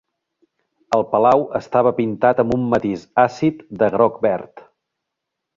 El palau estava pintat amb un matís àcid de groc-verd.